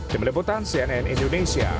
demelebutan cnn indonesia